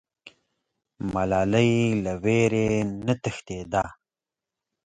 ملالۍ له ویرې نه تښتېده.